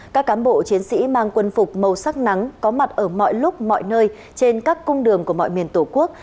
các cán bộ chiến sĩ mang quân phục màu sắc nắng có mặt ở mọi lúc mọi nơi trên các cung đường của mọi miền tổ quốc